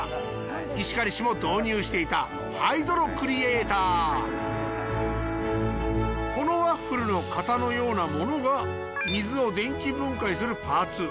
石狩市も導入していたこのワッフルの型のようなものが水を電気分解するパーツ。